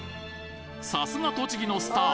さすが栃木のスター！